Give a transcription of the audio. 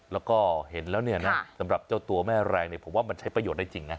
แล้วก็เห็นแล้วเนี่ยนะสำหรับเจ้าตัวแม่แรงเนี่ยผมว่ามันใช้ประโยชน์ได้จริงนะ